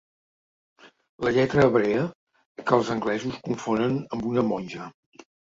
La lletra hebrea que els anglesos confonen amb una monja.